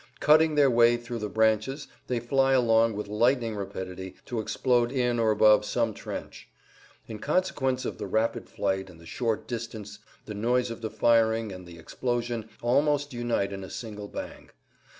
Cutting their way through the branches they fly along with lightning rapidity to explode in or above some trench. In consequence of the rapid flight and the short distance the noise of the firing and the[Pg 155] explosion almost unite in a single bang.